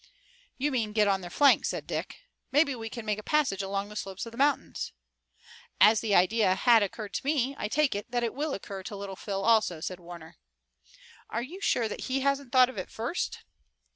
"You mean get on their flank," said Dick. "Maybe we can make a passage along the slopes of the mountains." "As the idea has occurred to me I take it that it will occur to Little Phil also," said Warner. "Are you sure that he hasn't thought of it first?"